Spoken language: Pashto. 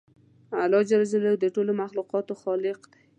الله جل جلاله د ټولو مخلوقاتو خالق دی